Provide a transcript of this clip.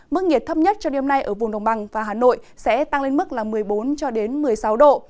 mức nhiệt thấp nhất cho đêm nay ở vùng đồng bằng và hà nội sẽ tăng lên mức một mươi bốn một mươi sáu độ